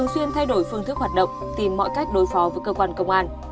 xuyên thay đổi phương thức hoạt động tìm mọi cách đối phó với cơ quan công an